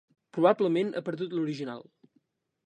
Probablement ha perdut l'original.